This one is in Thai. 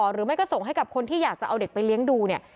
หรือไม่ก็ส่งให้กับคนที่อยากจะเอาเด็กไปเลี้ยงดูเนี่ย